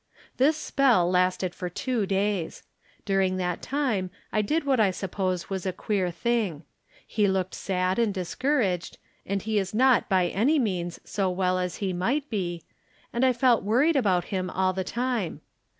This spell lasted for two days. During that time I did what I suppose was a queer thing. He looked sad and discouraged, and he is not by any 90 From Different Standpoints. means so well as he might be, and I felt worried about him all the time.